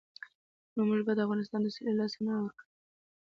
نو موږ به د افغانستان دوستي له لاسه نه وای ورکړې.